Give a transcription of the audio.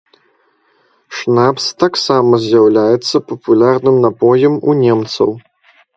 Шнапс таксама з'яўляецца папулярным напоем у немцаў.